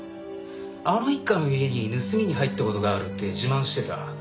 あの一家の家に盗みに入った事があるって自慢してた。